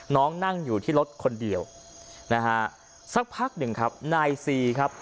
นั่งอยู่ที่รถคนเดียวนะฮะสักพักหนึ่งครับนายซีครับ